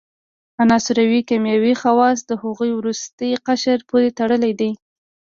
د عناصرو کیمیاوي خواص د هغوي وروستي قشر پورې تړلی دی.